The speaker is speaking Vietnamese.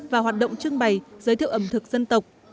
và hoạt động trưng bày giới thiệu ẩm thực dân tộc